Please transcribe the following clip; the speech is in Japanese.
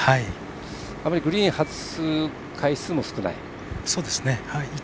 グリーン外す回数も少ない？